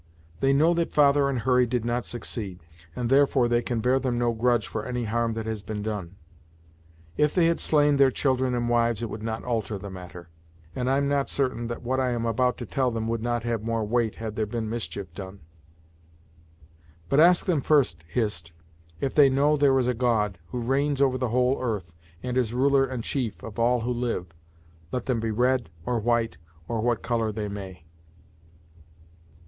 They know that father and Hurry did not succeed, and therefore they can bear them no grudge for any harm that has been done. If they had slain their children and wives it would not alter the matter, and I'm not certain that what I am about to tell them would not have more weight had there been mischief done. But ask them first, Hist, if they know there is a God, who reigns over the whole earth, and is ruler and chief of all who live, let them be red, or white, or what color they may?"